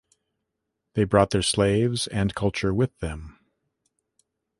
They brought their slaves and culture with them.